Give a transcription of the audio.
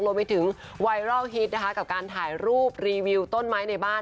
รวมที่ถึงไวร่อลฮีตกับการถ่ายรูปรีวิวต้นไม้ในบ้าน